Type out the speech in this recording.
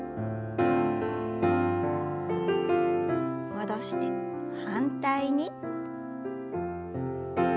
戻して反対に。